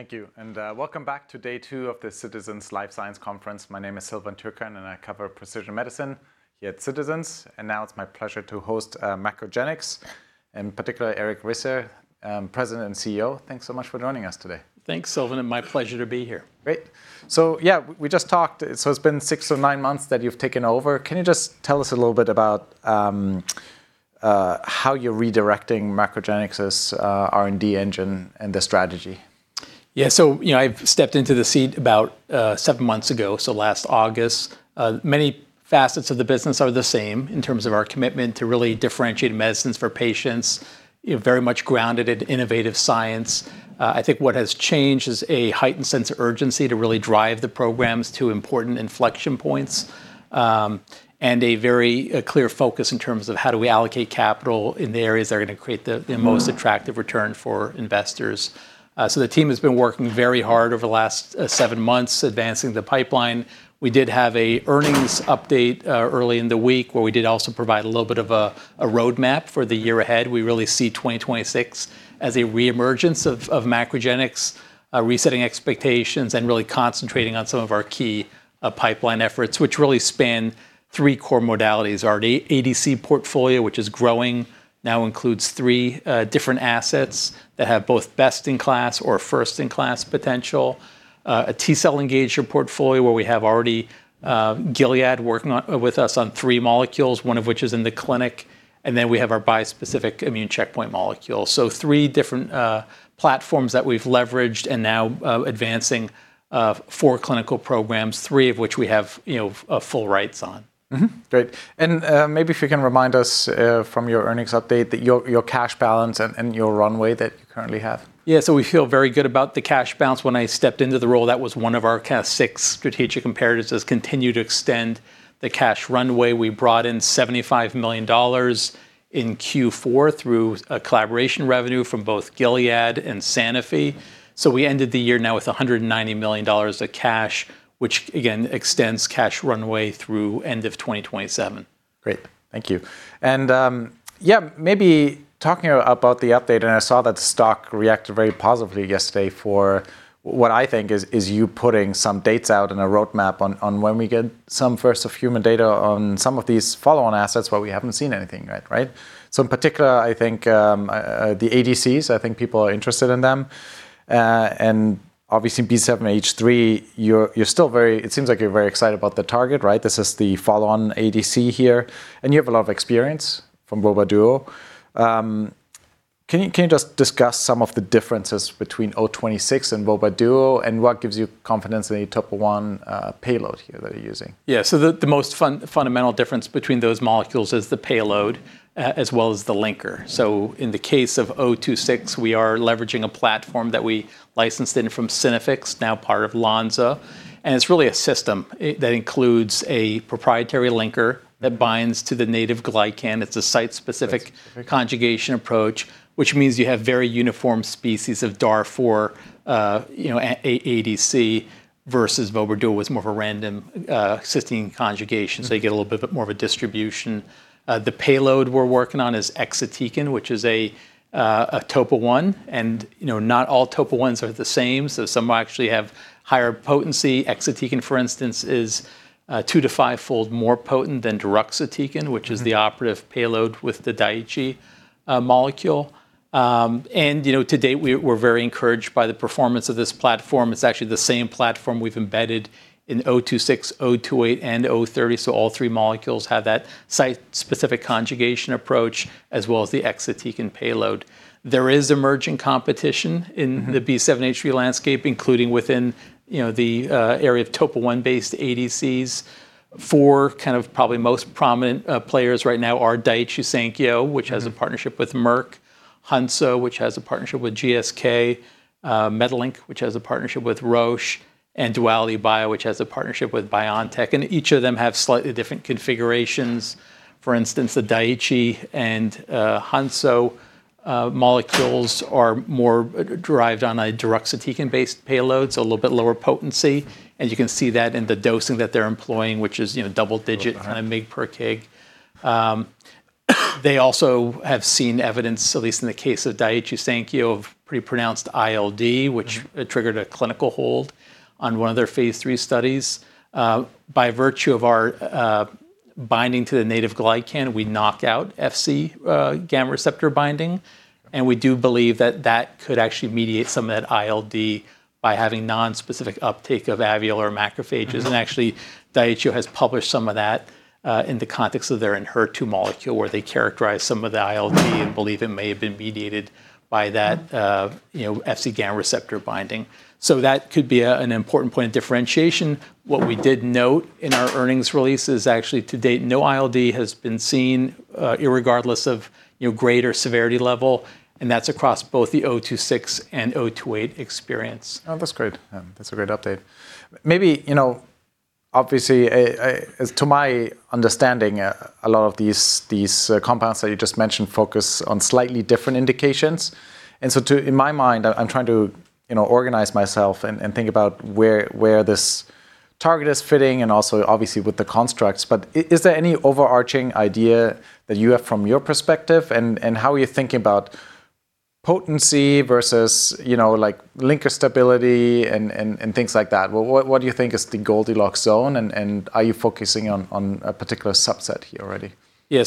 Thank you, and welcome back to day two of the Citizens JMP Life Sciences Conference. My name is Silvan Tuerkcan, and I cover precision medicine here at Citizens, and now it's my pleasure to host MacroGenics, in particular, Eric Risser, President and CEO. Thanks so much for joining us today. Thanks Silvan and my pleasure to be here. Great. Yeah, we just talked, so it's been six or nine months that you've taken over. Can you just tell us a little bit about how you're redirecting MacroGenics's R&D engine and the strategy? Yeah. You know, I've stepped into the seat about seven months ago, so last August. Many facets of the business are the same in terms of our commitment to really differentiate medicines for patients, you know, very much grounded in innovative science. I think what has changed is a heightened sense of urgency to really drive the programs to important inflection points, and a very clear focus in terms of how do we allocate capital in the areas that are gonna create the Mm-hmm The most attractive return for investors. The team has been working very hard over the last seven months advancing the pipeline. We did have an earnings update early in the week, where we did also provide a little bit of a roadmap for the year ahead. We really see 2026 as a reemergence of MacroGenics, resetting expectations and really concentrating on some of our key pipeline efforts, which really span three core modalities. Our ADC portfolio, which is growing, now includes three different assets that have both best-in-class or first-in-class potential. A T cell engagement portfolio, where we have already Gilead working on with us on three molecules, one of which is in the clinic, and then we have our bispecific immune checkpoint molecule. Three different platforms that we've leveraged and now advancing four clinical programs, three of which we have, you know, full rights on. Mm-hmm. Great. Maybe if you can remind us from your earnings update that your cash balance and your runway that you currently have. Yeah. We feel very good about the cash balance. When I stepped into the role, that was one of our six strategic imperatives is continue to extend the cash runway. We brought in $75 million in Q4 through a collaboration revenue from both Gilead and Sanofi. We ended the year now with $190 million of cash, which again extends cash runway through end of 2027. Great. Thank you. Yeah, maybe talking about the update, and I saw that the stock reacted very positively yesterday for what I think is you putting some dates out and a roadmap on when we get some first-in-human data on some of these follow-on assets where we haven't seen anything yet, right? In particular, I think the ADCs. I think people are interested in them. Obviously B7H3, you're still very excited about the target, right? This is the follow-on ADC here, and you have a lot of experience from vobramitamab duocarmazine. Can you just discuss some of the differences between MGC026 and vobramitamab duocarmazine, and what gives you confidence in a TOP1 payload here that you're using? Yeah. The most fundamental difference between those molecules is the payload as well as the linker. In the case of MGC026, we are leveraging a platform that we licensed in from Synaffix, now part of Lonza, and it's really a system that includes a proprietary linker that binds to the native glycan. It's a site-specific- Site. Right. Conjugation approach, which means you have very uniform species of DAR for, you know, our ADC versus vobradu with more of a random cysteine conjugation. Mm-hmm. You get a little bit of a more of a distribution. The payload we're working on is exatecan, which is a TOP1, and, you know, not all TOP1s are the same, so some actually have higher potency. Exatecan, for instance, is 2-5-fold more potent than deruxtecan. Mm-hmm Which is the operative payload with the Daiichi molecule. You know, to date, we're very encouraged by the performance of this platform. It's actually the same platform we've embedded in MGC026, MGC028, and MGC030, so all three molecules have that site-specific conjugation approach, as well as the exatecan payload. There is emerging competition in- Mm-hmm The B7H3 landscape, including within, you know, the area of TOP1-based ADCs. Four kind of probably most prominent players right now are Daiichi Sankyo, which has a partnership with Merck, Hansoh, which has a partnership with GSK, MedLink, which has a partnership with Roche, and Duality Bio, which has a partnership with BioNTech, and each of them have slightly different configurations. For instance, the Daiichi and Hansoh molecules are more derived on a deruxtecan-based payload, so a little bit lower potency, and you can see that in the dosing that they're employing, which is, you know, double digit Mm-hmm Mg per kg. They also have seen evidence, at least in the case of Daiichi Sankyo, of pretty pronounced ILD, which triggered a clinical hold on one of their phase III studies. By virtue of our binding to the native glycan, we knock out Fc gamma receptor binding, and we do believe that that could actually mediate some of that ILD by having nonspecific uptake of alveolar macrophages. Actually, Daiichi has published some of that in the context of their Enhertu HER2 molecule, where they characterize some of the ILD and believe it may have been mediated by that, you know, Fc gamma receptor binding. That could be an important point of differentiation. What we did note in our earnings release is actually, to date, no ILD has been seen, regardless of, you know, greater severity level, and that's across both the MGC026 and MGC028 experience. Oh, that's great. That's a great update. Maybe, you know, obviously, as to my understanding, a lot of these compounds that you just mentioned focus on slightly different indications, and so in my mind, I'm trying to, you know, organize myself and think about where this target is fitting and also obviously with the constructs. But is there any overarching idea that you have from your perspective, and how are you thinking about potency versus, you know, like linker stability and things like that? What do you think is the Goldilocks zone and are you focusing on a particular subset here already? Yeah.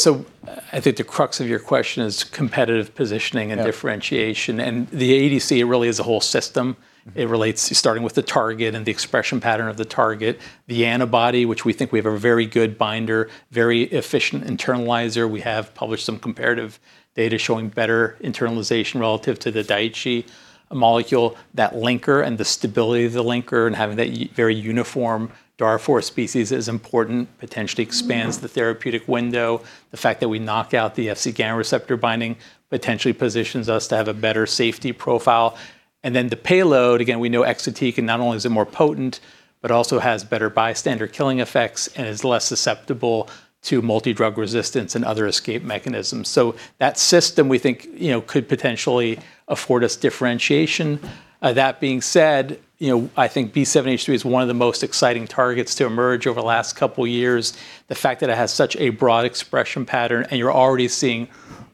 I think the crux of your question is competitive positioning and- Yeah Differentiation, and the ADC really is a whole system. It relates to starting with the target and the expression pattern of the target, the antibody, which we think we have a very good binder, very efficient internalizer. We have published some comparative data showing better internalization relative to the Daiichi molecule. That linker and the stability of the linker and having that very uniform DAR four species is important, potentially expands the therapeutic window. The fact that we knock out the Fc gamma receptor binding potentially positions us to have a better safety profile. And then the payload, again, we know exatecan, and not only is it more potent but also has better bystander killing effects and is less susceptible to multidrug resistance and other escape mechanisms. So that system, we think, you know, could potentially afford us differentiation. That being said, you know, I think B7-H3 is one of the most exciting targets to emerge over the last couple years, the fact that it has such a broad expression pattern and you're already seeing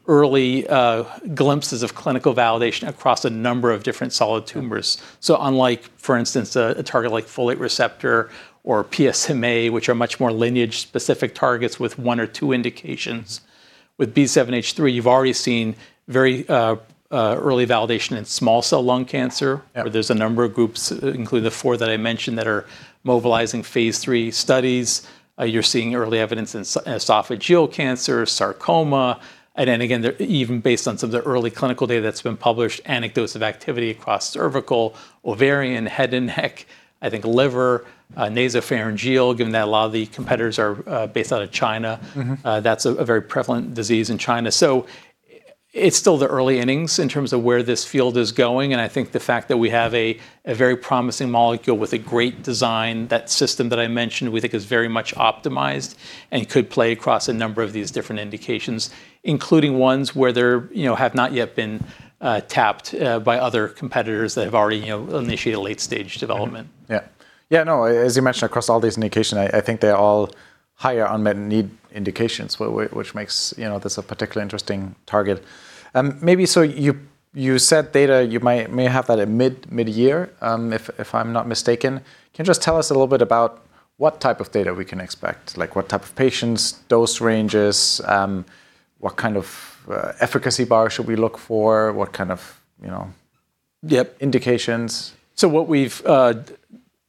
early glimpses of clinical validation across a number of different solid tumors. Unlike, for instance, a target like folate receptor or PSMA, which are much more lineage-specific targets with one or two indications, with B7-H3, you've already seen very early validation in small cell lung cancer. Yeah. There's a number of groups, including the four that I mentioned, that are mobilizing phase III studies. You're seeing early evidence in esophageal cancer, sarcoma, and then again, even based on some of the early clinical data that's been published, anecdotes of activity across cervical, ovarian, head and neck, I think liver, nasopharyngeal, given that a lot of the competitors are based out of China. Mm-hmm. That's a very prevalent disease in China. It's still the early innings in terms of where this field is going, and I think the fact that we have a very promising molecule with a great design, that system that I mentioned we think is very much optimized and could play across a number of these different indications, including ones where there you know have not yet been tapped by other competitors that have already you know initiated a late-stage development. Yeah. Yeah, no, as you mentioned, across all these indications, I think they're all higher unmet need indications which makes, you know, this a particularly interesting target. Maybe so you said data, you may have that at midyear, if I'm not mistaken. Can you just tell us a little bit about what type of data we can expect? Like, what type of patients, dose ranges, what kind of efficacy bar should we look for? What kind of, you know- Yep indications? What we've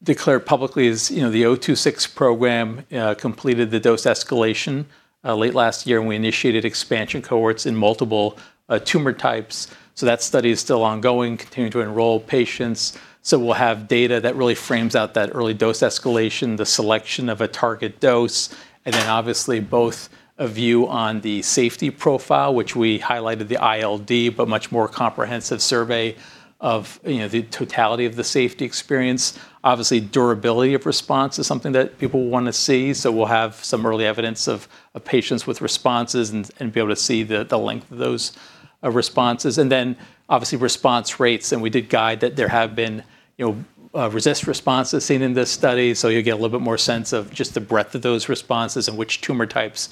declared publicly is, you know, the MGC026 program completed the dose escalation late last year, and we initiated expansion cohorts in multiple tumor types, so that study is still ongoing, continuing to enroll patients. We'll have data that really frames out that early dose escalation, the selection of a target dose, and then obviously both a view on the safety profile, which we highlighted the ILD, but much more comprehensive survey of, you know, the totality of the safety experience. Obviously, durability of response is something that people want to see, so we'll have some early evidence of patients with responses and be able to see the length of those responses. Then obviously response rates, and we did guide that there have been, you know, RECIST responses seen in this study. You'll get a little bit more sense of just the breadth of those responses and which tumor types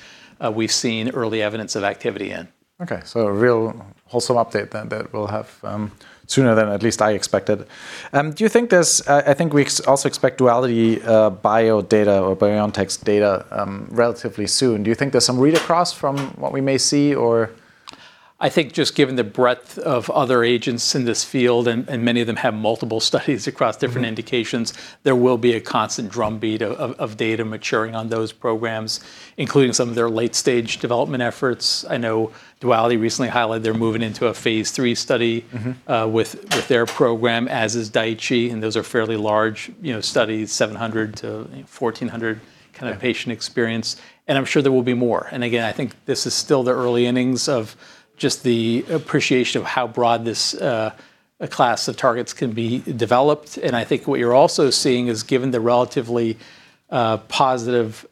we've seen early evidence of activity in. Okay. A real wholesome update then that we'll have sooner than at least I expected. I think we also expect Duality Bio data or BioNTech's data relatively soon. Do you think there's some read across from what we may see or? I think just given the breadth of other agents in this field, and many of them have multiple studies across different. Mm-hmm Indications, there will be a constant drumbeat of data maturing on those programs, including some of their late-stage development efforts. I know Duality recently highlighted they're moving into a phase III study. Mm-hmm With their program, as is Daiichi, and those are fairly large, you know, studies, 700-1,400 kind of patient experience, and I'm sure there will be more. I think this is still the early innings of just the appreciation of how broad this class of targets can be developed, and I think what you're also seeing is, given the relatively positive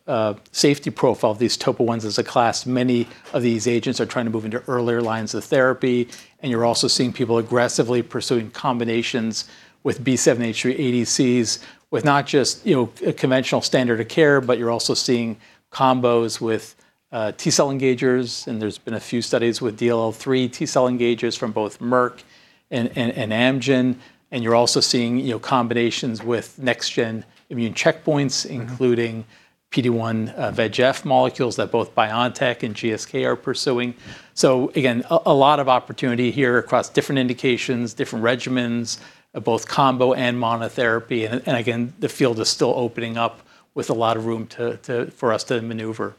safety profile of these TOPO1s as a class, many of these agents are trying to move into earlier lines of therapy. You're also seeing people aggressively pursuing combinations with B7-H3 ADCs, with not just, you know, a conventional standard of care, but you're also seeing combos with T-cell engagers, and there's been a few studies with DLL3 T-cell engagers from both Merck and Amgen. You're also seeing, you know, combinations with next gen immune checkpoints. Mm-hmm Including PD-1, VEGF molecules that both BioNTech and GSK are pursuing. Again, a lot of opportunity here across different indications, different regimens, both combo and monotherapy. Again, the field is still opening up with a lot of room for us to maneuver.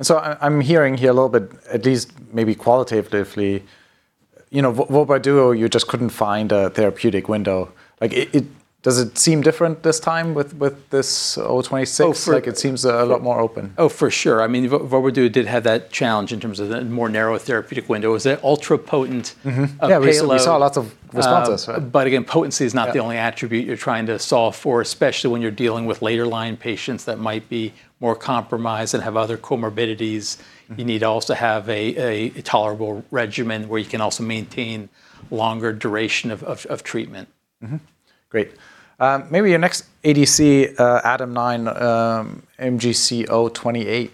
Mm-hmm. I'm hearing here a little bit, at least maybe qualitatively, you know, Vobramitamab duocarmazine, you just couldn't find a therapeutic window. Like, does it seem different this time with this MGC026? Oh, for- Like, it seems a lot more open. Oh, for sure. I mean, Vobramitamab duocarmazine did have that challenge in terms of the more narrow therapeutic window. It was a ultra-potent Mm-hmm Payload. Yeah, we saw lots of responses, right? Potency is not the only attribute you're trying to solve for, especially when you're dealing with later line patients that might be more compromised and have other comorbidities. Mm-hmm. You need to also have a tolerable regimen where you can also maintain longer duration of treatment. Great. Maybe your next ADC, ADAM9, MGC028,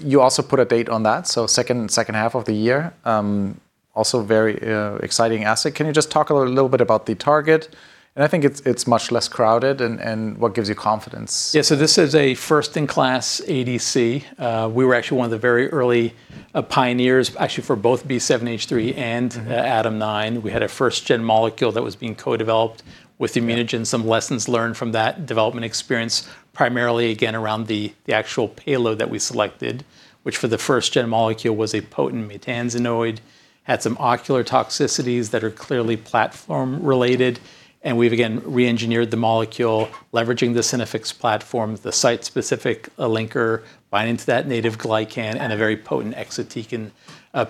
you also put a date on that, so second half of the year. Also very exciting asset. Can you just talk a little bit about the target? I think it's much less crowded and what gives you confidence? Yeah. This is a first-in-class ADC. We were actually one of the very early pioneers actually for both B7-H3 and Mm-hmm ADAM9. We had a first gen molecule that was being co-developed with ImmunoGen. Mm-hmm. Some lessons learned from that development experience, primarily again, around the actual payload that we selected, which for the first gen molecule was a potent maytansinoid, had some ocular toxicities that are clearly platform related, and we've again re-engineered the molecule leveraging the Synaffix platform, the site-specific linker binding to that native glycan and a very potent exatecan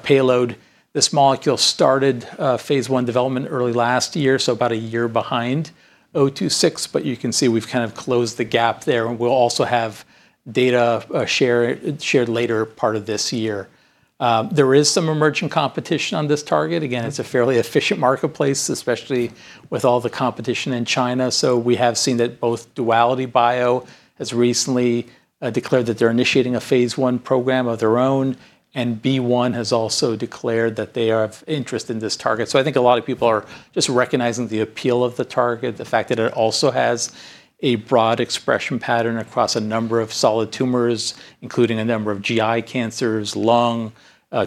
payload. This molecule started phase I development early last year, so about a year behind 026, but you can see we've kind of closed the gap there, and we'll also have data shared later part of this year. There is some emerging competition on this target. Again, it's a fairly efficient marketplace, especially with all the competition in China. We have seen that both Duality Bio has recently declared that they're initiating a phase I program of their own, and Bone has also declared that they are of interest in this target. I think a lot of people are just recognizing the appeal of the target, the fact that it also has a broad expression pattern across a number of solid tumors, including a number of GI cancers, lung,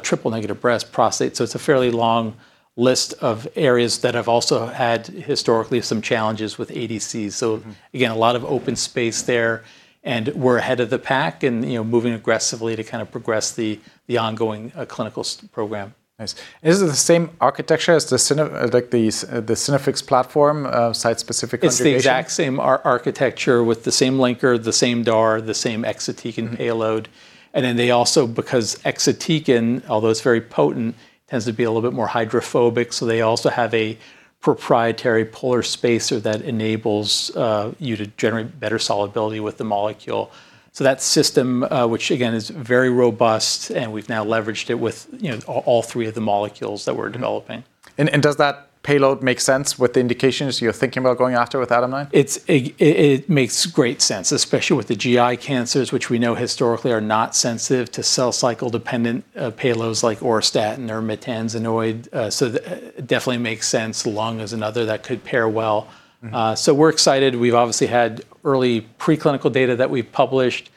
triple-negative breast cancer, prostate. It's a fairly long list of areas that have also had historically some challenges with ADCs. Mm-hmm Again, a lot of open space there, and we're ahead of the pack and, you know, moving aggressively to kind of progress the ongoing clinical-stage program. Nice. Is it the same architecture as the Synaffix platform, like site-specific conjugation? It's the exact same architecture with the same linker, the same DAR, the same exatecan payload. Then they also, because exatecan, although it's very potent, tends to be a little bit more hydrophobic, so they also have a proprietary polar spacer that enables you to generate better solubility with the molecule. That system, which again is very robust and we've now leveraged it with, you know, all three of the molecules that we're developing. Does that payload make sense with the indications you're thinking about going after with ADAM9? It makes great sense, especially with the GI cancers, which we know historically are not sensitive to cell cycle dependent payloads like auristatin or maytansinoid. Definitely makes sense. Lung is another that could pair well. Mm-hmm. So we're excited. We've obviously had early preclinical data that we've published,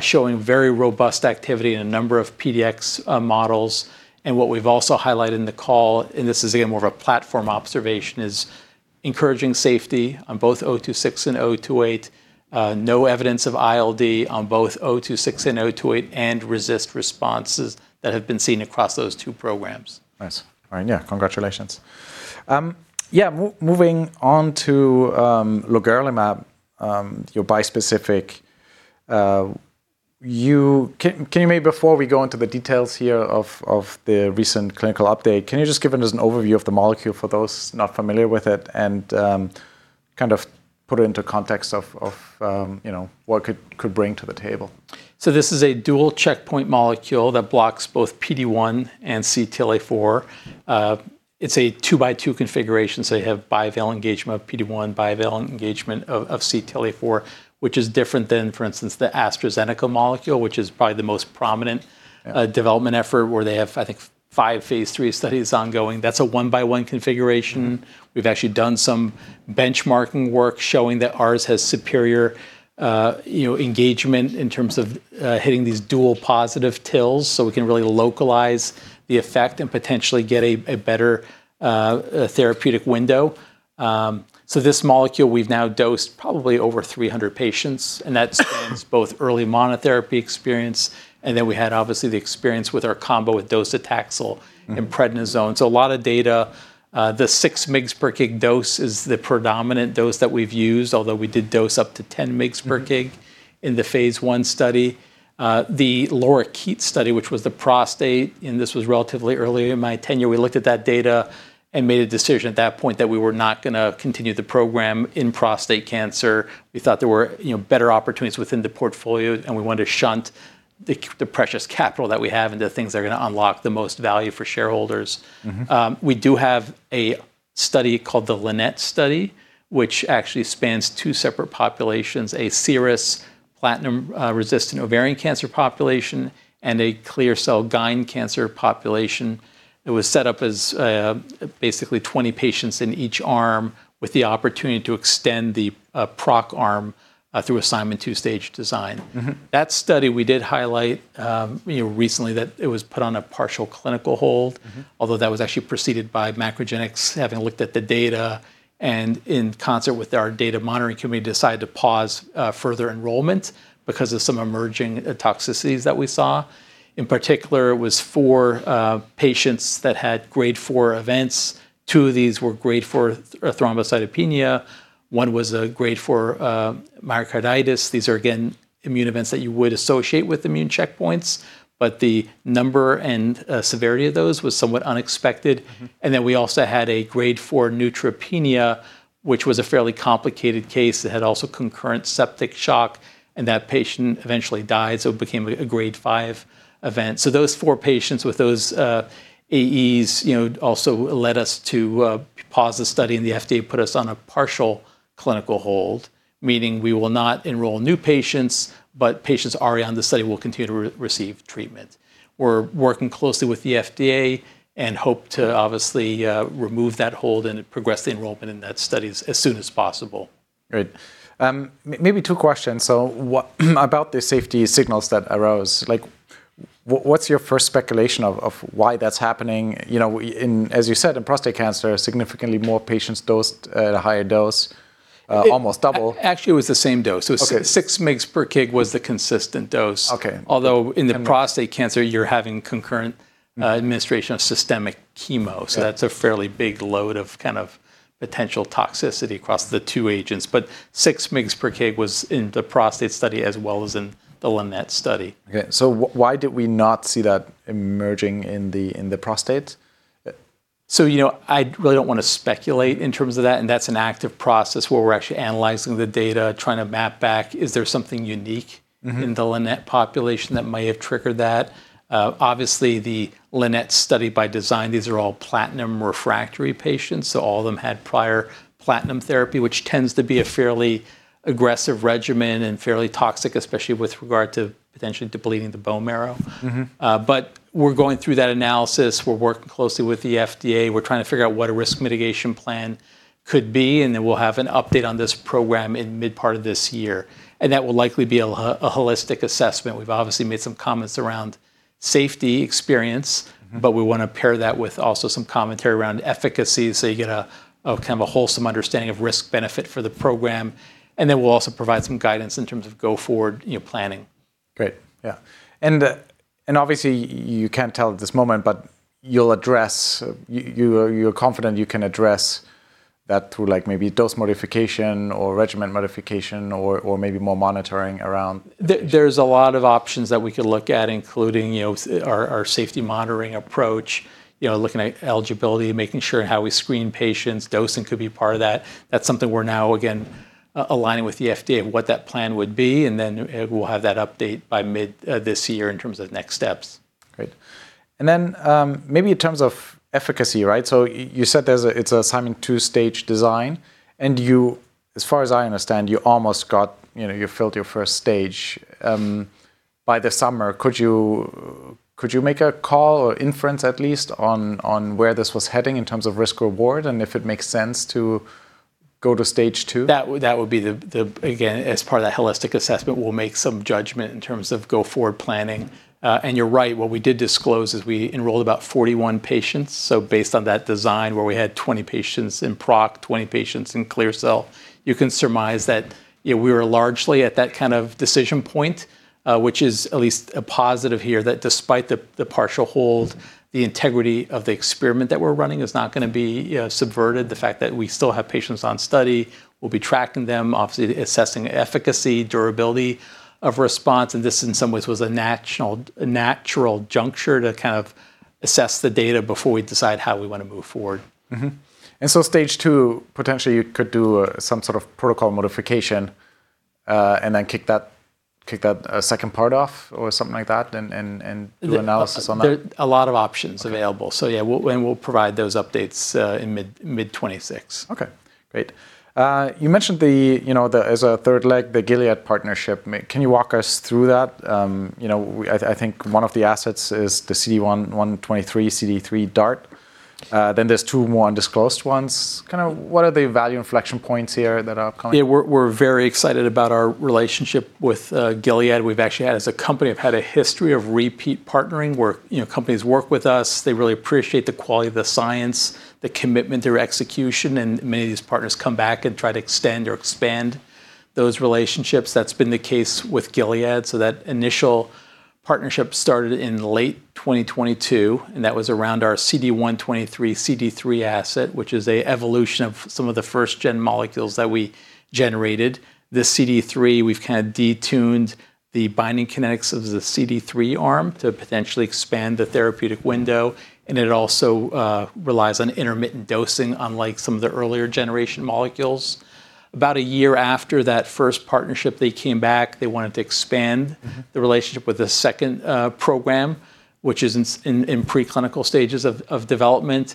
showing very robust activity in a number of PDX models. What we've also highlighted in the call, and this is again, more of a platform observation, is encouraging safety on both 026 and 028. No evidence of ILD on both 026 and 028 and RECIST responses that have been seen across those two programs. Nice. All right. Yeah. Congratulations. Moving on to Lorigerlimab, your bispecific. Can you maybe before we go into the details here of the recent clinical update. Can you just give us an overview of the molecule for those not familiar with it and kind of put it into context of you know what it could bring to the table? This is a dual checkpoint molecule that blocks both PD-1 and CTLA-4. It's a two-by-two configuration, so you have bivalent engagement of PD-1, bivalent engagement of CTLA-4, which is different than, for instance, the AstraZeneca molecule, which is probably the most prominent. Yeah Development effort where they have, I think, five phase III studies ongoing. That's a one-by-one configuration. Mm-hmm. We've actually done some benchmarking work showing that ours has superior, you know, engagement in terms of, hitting these dual positive TILs, so we can really localize the effect and potentially get a better therapeutic window. This molecule, we've now dosed probably over 300 patients, and that spans both early monotherapy experience, and then we had obviously the experience with our combo with docetaxel. Mm-hmm And prednisone. A lot of data. The 6 mg per kg dose is the predominant dose that we've used, although we did dose up to 10 mg per kg. Mm-hmm In the phase I study. The LORIKEET study, which was the prostate, and this was relatively early in my tenure, we looked at that data and made a decision at that point that we were not gonna continue the program in prostate cancer. We thought there were, you know, better opportunities within the portfolio, and we wanted to shunt the precious capital that we have into things that are gonna unlock the most value for shareholders. Mm-hmm. We do have a study called the LINNET study, which actually spans two separate populations, a serous platinum-resistant ovarian cancer population and a clear cell GYN cancer population. It was set up as basically 20 patients in each arm with the opportunity to extend the PROC arm through Simon's two-stage design. Mm-hmm. That study, we did highlight, you know, recently that it was put on a partial clinical hold. Mm-hmm. Although that was actually preceded by MacroGenics having looked at the data, and in concert with our data monitoring committee, decided to pause further enrollment because of some emerging toxicities that we saw. In particular, it was four patients that had grade four events. Two of these were grade four thrombocytopenia. One was a grade four myocarditis. These are again, immune events that you would associate with immune checkpoints, but the number and severity of those was somewhat unexpected. Mm-hmm. We also had a grade 4 neutropenia, which was a fairly complicated case that had concurrent septic shock, and that patient eventually died, so it became a grade 5 event. Those four patients with those AEs also led us to pause the study, and the FDA put us on a partial clinical hold, meaning we will not enroll new patients, but patients already on the study will continue to receive treatment. We're working closely with the FDA and hope to obviously remove that hold and progress the enrollment in that study as soon as possible. Great. Maybe two questions. What about the safety signals that arose, like what's your first speculation of why that's happening? You know, as you said, in prostate cancer, significantly more patients dosed at a higher dose. It- Almost double. Actually, it was the same dose. Okay. 6 mgs per kg was the consistent dose. Okay. Although in the prostate cancer, you're having concurrent administration of systemic chemo. Yeah. That's a fairly big load of kind of potential toxicity across the two agents. 6 mg per kg was in the prostate study as well as in the LINNET study. Okay. Why did we not see that emerging in the prostate? You know, I really don't wanna speculate in terms of that, and that's an active process where we're actually analyzing the data, trying to map back. Is there something unique? Mm-hmm In the LINNET population that may have triggered that? Obviously, the LINNET study by design, these are all platinum refractory patients, so all of them had prior platinum therapy, which tends to be a fairly aggressive regimen and fairly toxic, especially with regard to potentially depleting the bone marrow. Mm-hmm. We're going through that analysis. We're working closely with the FDA. We're trying to figure out what a risk mitigation plan could be, and then we'll have an update on this program in mid part of this year. That will likely be a holistic assessment. We've obviously made some comments around safety experience. Mm-hmm We wanna pair that with also some commentary around efficacy, so you get a kind of a wholesome understanding of risk-benefit for the program. Then we'll also provide some guidance in terms of go forward, you know, planning. Great. Yeah. Obviously you can't tell at this moment, but you're confident you can address that through like maybe dose modification or regimen modification or maybe more monitoring around- There's a lot of options that we could look at, including, you know, our safety monitoring approach, you know, looking at eligibility, making sure how we screen patients. Dosing could be part of that. That's something we're now again aligning with the FDA on what that plan would be, and then we'll have that update by mid this year in terms of next steps. Great. Maybe in terms of efficacy, right? You said it's a Simon's two-stage design, and you, as far as I understand, you know, you filled your first stage by the summer. Could you make a call or inference at least on where this was heading in terms of risk reward, and if it makes sense to go to stage two? Again, as part of that holistic assessment, we'll make some judgment in terms of go forward planning. You're right, what we did disclose is we enrolled about 41 patients. Based on that design where we had 20 patients in PROC, 20 patients in clear cell, you can surmise that, you know, we were largely at that kind of decision point, which is at least a positive here that despite the partial hold, the integrity of the experiment that we're running is not gonna be, you know, subverted. The fact that we still have patients on study, we'll be tracking them, obviously assessing efficacy, durability of response, and this in some ways was a natural juncture to kind of assess the data before we decide how we wanna move forward. Stage two, potentially you could do some sort of protocol modification, and then kick that second part off or something like that and do analysis on that? There's a lot of options available. Okay. Yeah, we'll provide those updates in mid-2026. Okay, great. You mentioned as a third leg the Gilead partnership. Can you walk us through that? I think one of the assets is the CD123, CD3 DART. Then there's two more undisclosed ones. Kinda what are the value inflection points here that are upcoming? Yeah. We're very excited about our relationship with Gilead. We've actually had, as a company, a history of repeat partnering, where, you know, companies work with us. They really appreciate the quality of the science, the commitment to execution, and many of these partners come back and try to extend or expand those relationships. That's been the case with Gilead. That initial partnership started in late 2022, and that was around our CD123, CD3 asset, which is an evolution of some of the first gen molecules that we generated. The CD3, we've kind of detuned the binding kinetics of the CD3 arm to potentially expand the therapeutic window, and it also relies on intermittent dosing, unlike some of the earlier generation molecules. About a year after that first partnership, they came back. They wanted to expand- Mm-hmm The relationship with a second program, which is in preclinical stages of development.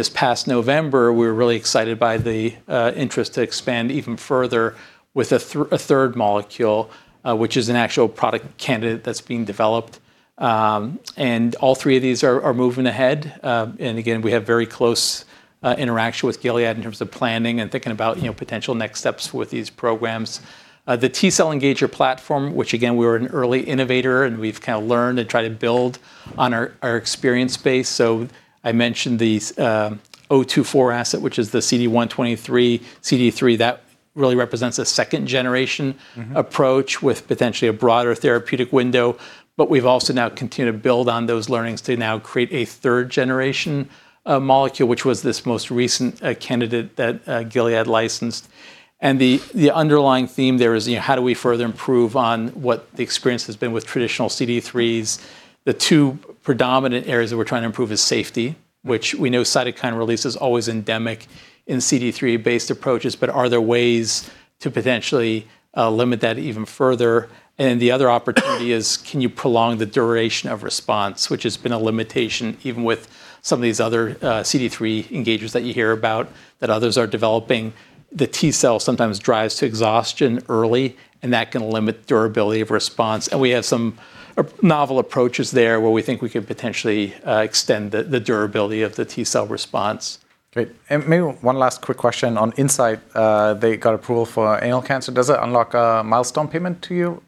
This past November, we were really excited by the interest to expand even further with a third molecule, which is an actual product candidate that's being developed. All three of these are moving ahead. We have very close interaction with Gilead in terms of planning and thinking about, you know, potential next steps with these programs. The T-cell engager platform, which again, we were an early innovator, and we've kind of learned and tried to build on our experience base. I mentioned the MGD024 asset, which is the CD123, CD3, that really represents a second generation- Mm-hmm Approach with potentially a broader therapeutic window. We've also now continued to build on those learnings to now create a third generation, molecule, which was this most recent, candidate that, Gilead licensed. The underlying theme there is, you know, how do we further improve on what the experience has been with traditional CD3s? The two predominant areas that we're trying to improve is safety, which we know cytokine release is always endemic in CD3 based approaches, but are there ways to potentially, limit that even further? The other opportunity is can you prolong the duration of response, which has been a limitation even with some of these other, CD3 engagers that you hear about, that others are developing. The T-cell sometimes drives to exhaustion early, and that can limit durability of response. We have some novel approaches there where we think we could potentially extend the durability of the T cell response. Great. Maybe one last quick question on Incyte. They got approval for anal cancer. Does it unlock a milestone payment to you?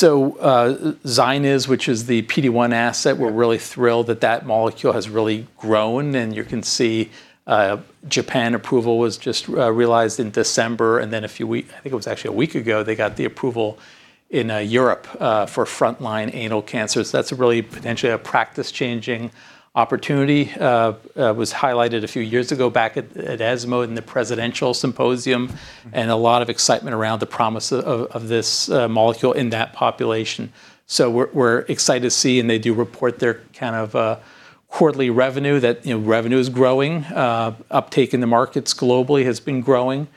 ZYNYZ, which is the PD-1 asset, we're really thrilled that that molecule has really grown, and you can see Japan approval was just realized in December, and then a week ago they got the approval in Europe for frontline anal cancers. That's really a potentially practice-changing opportunity. It was highlighted a few years ago back at ESMO in the presidential symposium, and a lot of excitement around the promise of this molecule in that population. We're excited to see, and they do report their kind of quarterly revenue that, you know, revenue is growing. Uptake in the markets globally has been growing.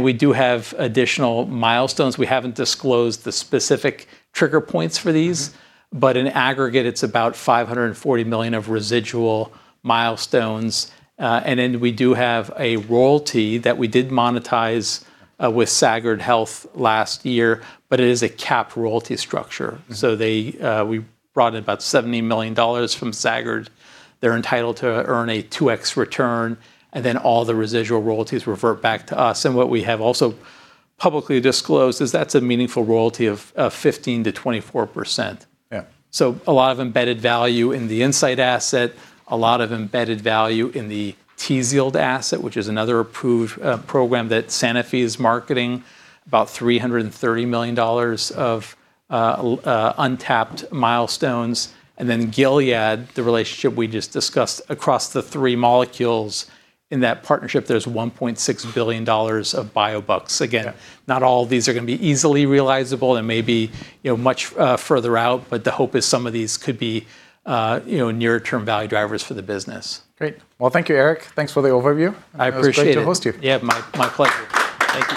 We do have additional milestones. We haven't disclosed the specific trigger points for these. Mm-hmm In aggregate, it's about $540 million of residual milestones. We do have a royalty that we did monetize with Sagard Health last year, but it is a capped royalty structure. Mm-hmm. We brought in about $70 million from Sagard. They're entitled to earn a 2x return, and then all the residual royalties revert back to us. What we have also publicly disclosed is that's a meaningful royalty of 15%-24%. Yeah. A lot of embedded value in the Incyte asset, a lot of embedded value in the TZIELD asset, which is another approved program that Sanofi is marketing, about $330 million of untapped milestones, and then Gilead, the relationship we just discussed across the three molecules. In that partnership, there's $1.6 billion of biobucks. Again. Yeah Not all of these are gonna be easily realizable and may be, you know, much, further out, but the hope is some of these could be, you know, near-term value drivers for the business. Great. Well, thank you, Eric. Thanks for the overview. I appreciate it. It was great to host you. Yeah. My pleasure. Thank you.